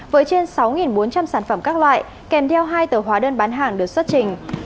với trên sáu bốn trăm linh sản phẩm các loại kèm theo hai tờ hóa đơn bán hàng được xuất trình